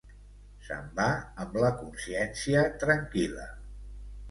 Se'n va amb la consciència tranquil·la.